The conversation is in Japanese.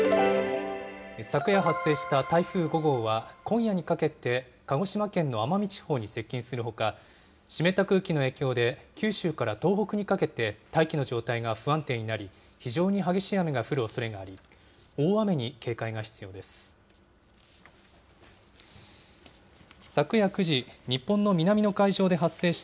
昨夜発生した台風５号は、今夜にかけて鹿児島県の奄美地方に接近するほか、湿った空気の影響で、九州から東北にかけて、大気の状態が不安定になり、非常に激しい雨が降るおそれがあり、大雨に警戒が必要です。